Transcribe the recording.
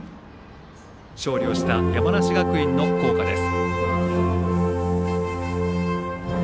勝利をした山梨学院の校歌です。